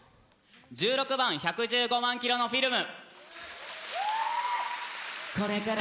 １６番「１１５万キロのフィルム」。